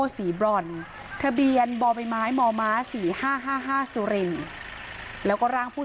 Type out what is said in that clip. สีบรอนทะเบียนบ่อใบไม้หมอม้าสีห้าห้าห้าสุรินแล้วก็ร่างผู้